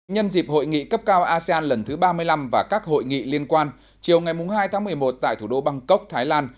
nhân dịp hội nghị cấp cao asean lần thứ ba mươi năm và các hội nghị liên quan chiều ngày hai tháng một mươi một tại thủ đô bangkok thái lan